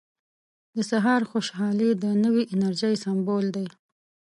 • د سهار خوشحالي د نوې انرژۍ سمبول دی.